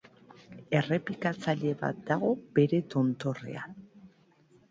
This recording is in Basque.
Errepikatzaile bat dago bere tontorrean.